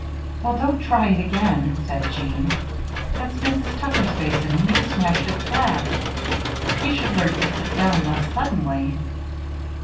"Well, don't try it again," said Jean. "That's Mrs. Tucker's basin and you've smashed it flat. You should learn to sit down less suddenly."